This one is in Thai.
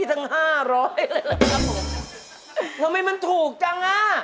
ทำไมมันถูกจัง